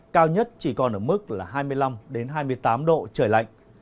cao nhất chỉ còn ở mức là hai mươi năm hai mươi tám độ trời lạnh